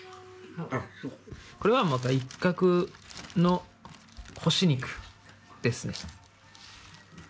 これはイッカクの干し肉ですね。